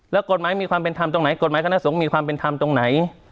แล้วกฎหมายมีความเป็นธรรมตรงไหนกฎหมายคณะสงฆ์มีความเป็นธรรมตรงไหน